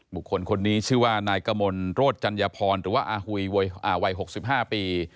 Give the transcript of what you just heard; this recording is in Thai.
บุคคลคนนี้ชื่อว่านายกมลโรธจัญญพรหรือว่าอาหุยวัย๖๕ปี